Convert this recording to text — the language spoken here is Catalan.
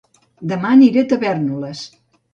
Dema aniré a Tavèrnoles